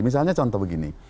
misalnya contoh begini